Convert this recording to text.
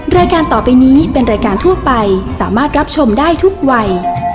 รายการต่อไปนี้เป็นรายการทั่วไปสามารถรับชมได้ทุกวัย